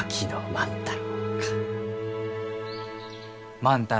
万太郎！